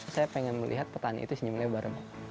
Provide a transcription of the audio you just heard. saya pengen melihat petani itu senyum lebar